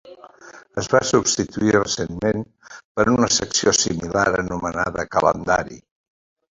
Es va substituir recentment per una secció similar anomenada Calendari.